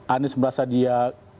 anies merasa dia